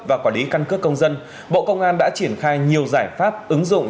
và quản lý căn cước công dân bộ công an đã triển khai nhiều giải pháp ứng dụng